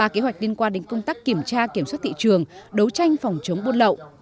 ba kế hoạch liên quan đến công tác kiểm tra kiểm soát thị trường đấu tranh phòng chống buôn lậu